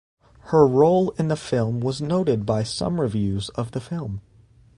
Her role in the film was noted by some reviews of the film.